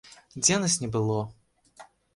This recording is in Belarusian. Дзе нас не было?